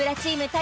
対